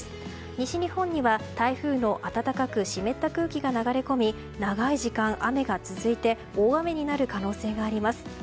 西日本には、台風の暖かく湿った空気が流れ込み長い時間、雨が続いて大雨になる可能性があります。